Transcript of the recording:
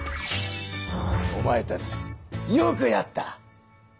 おまえたちよくやった！